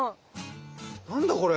何だこれ？